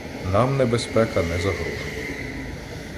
Нам небезпека не загрожувала.